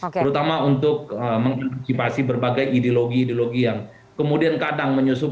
terutama untuk mengantisipasi berbagai ideologi ideologi yang kemudian kadang menyusup